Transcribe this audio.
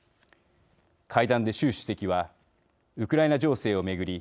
会談で、習主席はウクライナ情勢を巡り